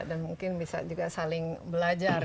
dan mungkin bisa juga saling belajar